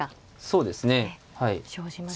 そうですねはい。